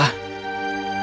aku sangat menyesal gentianela